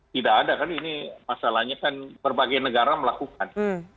tidak ada kan ini masalahnya kan berbagai negara melakukan